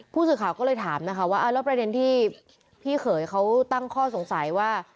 ผู้สื่อข่าก็เลยถามค่ะว่า